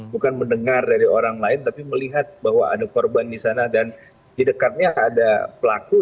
bukan mendengar dari orang lain tapi melihat bahwa ada korban di sana dan di dekatnya ada pelaku